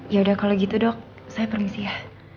yaudah kalau gitu dok saya permisi ya